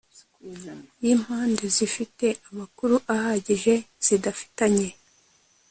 y impande zifite amakuru ahagije zidafitanye